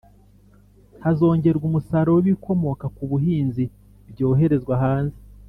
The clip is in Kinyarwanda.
Hazongerwa umusaruro w ibikomoka ku buhinzi byoherezwa hanze